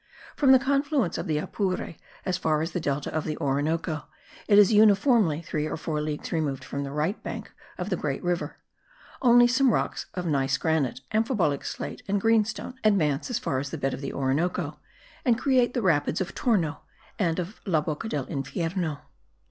From the confluence of the Apure, as far as the delta of the Orinoco, it is uniformly three or four leagues removed from the right bank of the great river; only some rocks of gneiss granite, amphibolic slate and greenstone advance as far as the bed of the Orinoco and create the rapids of Torno and of La Boca del Infierno.